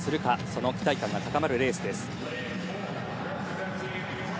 その期待感が高まるレースです。